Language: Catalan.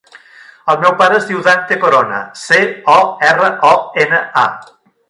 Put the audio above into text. El meu pare es diu Dante Corona: ce, o, erra, o, ena, a.